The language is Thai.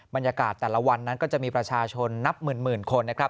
บรรยากาศแต่ละวันนั้นก็จะมีประชาชนนับหมื่นคนนะครับ